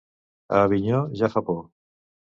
A Avinyó, ja fa por.